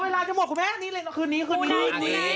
เวลาจะหมดคุณแม่คืนนี้คืนนี้